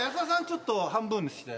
ちょっと半分にして。